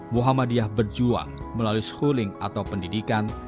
muhammadiyah berjuang melalui schooling atau pendidikan